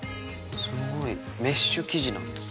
すごいメッシュ生地なんだ